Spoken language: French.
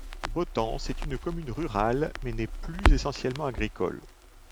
Botans est une commune rurale mais n‘est plus essentiellement agricole.